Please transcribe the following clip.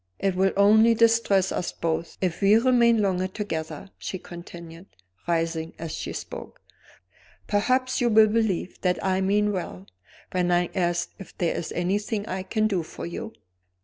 It will only distress us both if we remain longer together," she continued, rising as she spoke. "Perhaps you will believe that I mean well, when I ask if there is anything I can do for you?"